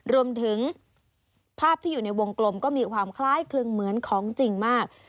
รวมถึงภาพที่อยู่ในวงกลมก็มีความคล้ายคลึงเหมือนของจริงมาก